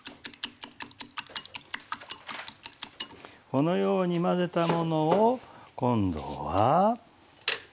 このように混ぜたものを今度は。